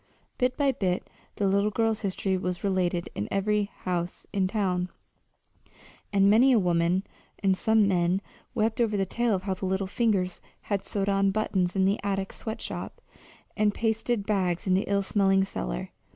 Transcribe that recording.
Bit by bit the little girl's history was related in every house in town; and many a woman and some men wept over the tale of how the little fingers had sewed on buttons in the attic sweat shop, and pasted bags in the ill smelling cellar.